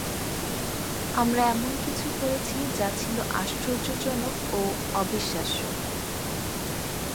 আমরা এমন কিছু করেছি যা ছিল আশ্চর্যজনক ও অবিশ্বাস্য।